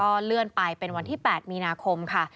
เลื่อนไปเป็นวันที่๘มีนาคมค่ะ